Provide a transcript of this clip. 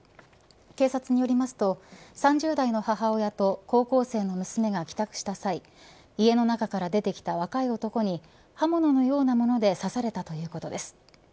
警察によりますと３０代の母親と高校生の娘が帰宅した際家の中から出てきた若い男に刃物のようなもので刺されたということです。